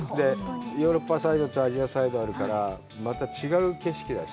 ヨーロッパサイドとアジアサイドがあるから、また違う景色だし。